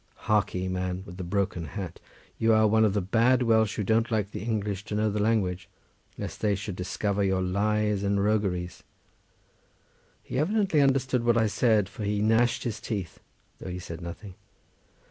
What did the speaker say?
Harkee, man with the broken hat, you are one of the bad Welsh, who don't like the English to know the language, lest they should discover your lies and rogueries." He evidently understood what I said, for he gnashed his teeth though he said nothing.